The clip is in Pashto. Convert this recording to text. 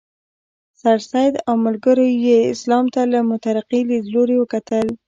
سرسید او ملګرو یې اسلام ته له مترقي لیدلوري وکتل.